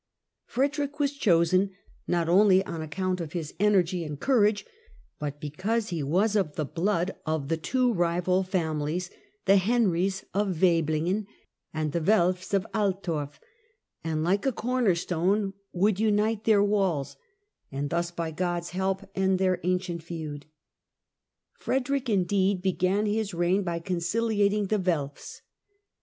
Frederick was chosen not only on account of his energy and courage, but because he was of the blood of the two FREDERICK I. AND THE LOMBARD COMMUNES 153 rival families, the " Henries " of Waiblingen and the Welfs of Altorf, and "like a cornerstone would unite their walls, and thus, by God's help, end their ancient feud." Frederick, indeed, began his reign by conciliating the Welfs.